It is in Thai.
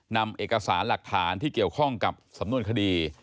นำเอกสารหลักฐานที่เกี่ยวข้องกับสำนวนคดี